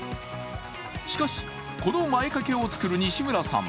しかし、この前掛けを作る西村さん